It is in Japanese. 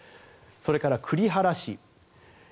それから栗原市、